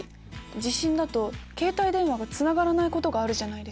地震だと携帯電話がつながらないことがあるじゃないですか。